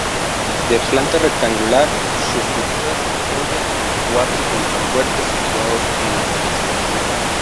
De planta rectangular, su estructura se apoya en cuatro contrafuertes situados en las aristas.